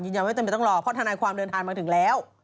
ยังไม่ต้องรอเพราะทนายความเดินทางมาถึงแล้ว